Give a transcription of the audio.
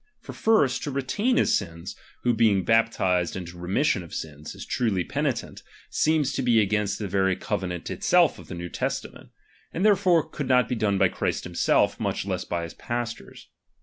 For first, to retain his sins, who being baptized into remission of sins, is truly penitent, seems to be against the very cove nant itself of the New Testament ; and therefore could not be done by Christ himself, much less by his pastors.